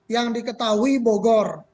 yang diketahui bogor